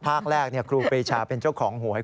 ภาคแรกครูปรีชาเป็นเจ้าของหวย